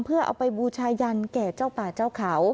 เพื่อเอาไปบูชายันแก่เจ้าป่าเจ้าเขา